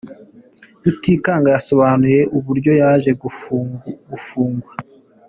Rutikanga yasobanuye uburyo yaje no gufungwa.